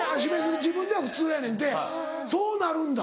自分では普通やねんてそうなるんだ。